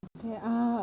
terima kasih warga depok